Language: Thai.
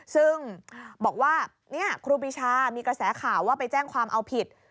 ซึ่งบอกว่าครูปีชามีกระแสข่าวว่าไปแจ้งความเอาผิด